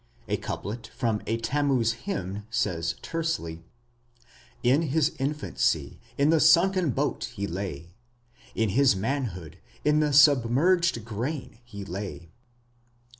A couplet from a Tammuz hymn says tersely: In his infancy in a sunken boat he lay. In his manhood in the submerged grain he lay.